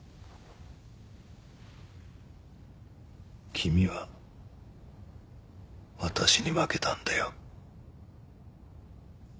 君は私に負けたんだよ。